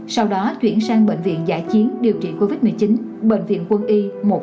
sau đó chuyển sang bệnh viện giải chiến điều trị covid một mươi chín bệnh viện quân y một trăm bảy mươi năm